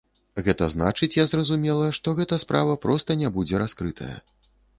Гэта значыць, я зразумела, што гэта справа проста не будзе раскрытая.